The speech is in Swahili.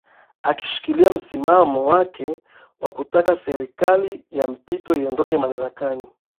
akishikilia msimamo wake wa kutaka serikali ya mpito iondoke madarakani